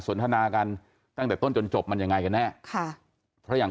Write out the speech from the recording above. สนทนากันตั้งแต่ต้นจนจบมันยังไงกันแน่ค่ะเพราะอย่าง